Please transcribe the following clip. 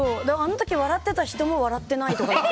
あの時、笑ってた人も笑ってないとか。